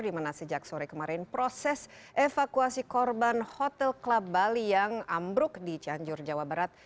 dimana sejak sore kemarin proses evakuasi korban hotel club bali yang ambruk di cianjur jawa barat